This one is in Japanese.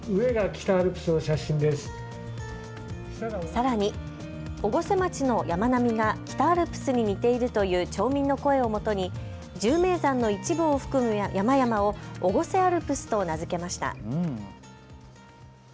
さらに越生町の山並みが北アルプスに似ているという町民の声をもとに１０名山の一部を含む山々を越生アルプスと名付けました。